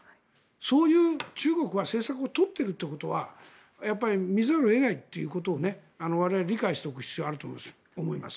そういう中国は政策を取っているということは見ざるを得ないということを我々は理解しておく必要があると思います。